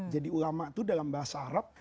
jadi ulama itu dalam bahasa arab